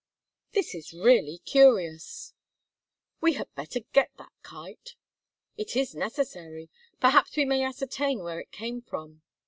"This is really curious." "We had better get that kite." "It is necessary. Perhaps we may ascertain where it came from."